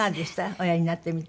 おやりになってみて。